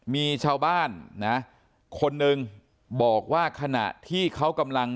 มีชาวบ้านนะคนหนึ่งบอกว่าขณะที่เขากำลัง